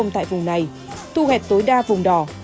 tại vùng này thu hẹp tối đa vùng đỏ